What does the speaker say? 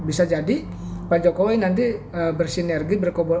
bisa jadi pak jokowi nanti bersinergi berkomunikasi